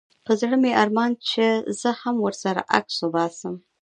په زړه مي ارمان چي زه هم ورسره عکس وباسم